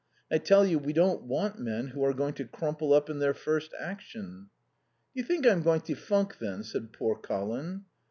I tell you we don't want men who are going to crumple up in their first action." "Do you think I'm going to funk then?" said poor Colin.